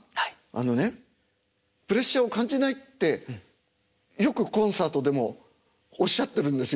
あのねプレッシャーを感じないってよくコンサートでもおっしゃってるんですよ。